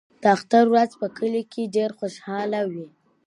د اختر ورځ په کلي کې ډېره خوشحاله وي.